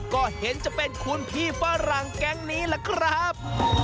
ก็เห็นจะเป็นคุณพี่ฝรั่งแก๊งนี้ล่ะครับ